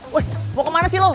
woy mau kemana sih lo